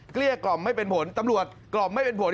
เกลี้ยกล่อมไม่เป็นผลตำรวจกล่อมไม่เป็นผล